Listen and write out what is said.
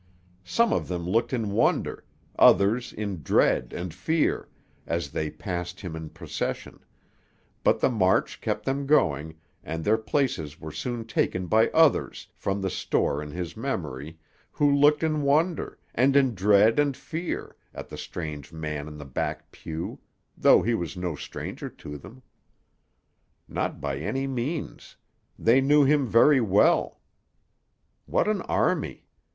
Some of them looked in wonder, others in dread and fear, as they passed him in procession; but the march kept them going, and their places were soon taken by others, from the store in his memory, who looked in wonder, and in dread and fear, at the strange man in the back pew, though he was no stranger to them. Not by any means; they knew him very well. What an army!